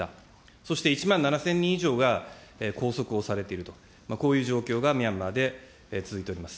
そして１万７０００人以上が拘束をされていると、こういう状況がミャンマーで続いております。